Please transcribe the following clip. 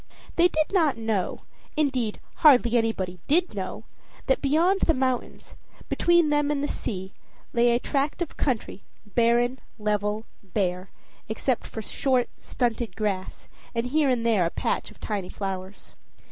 They did not know indeed, hardly anybody did know that beyond the mountains, between them and the sea, lay a tract of country, barren, level, bare, except for short, stunted grass, and here and there a patch of tiny flowers.